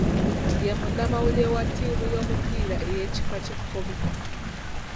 Ye munnamawulire wa ttiimu y’omupiira ey’ekika ky’ekkobe.